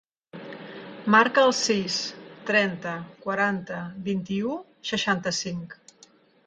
Marca el sis, trenta, quaranta, vint-i-u, seixanta-cinc.